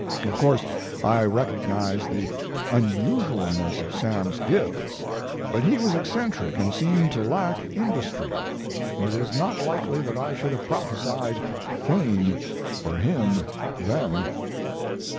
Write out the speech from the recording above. Of course, I recognized the unusualness of Sam's gifts, but he was eccentric and seemed to lack industry; it is not likely that I should have prophesied fame for him then."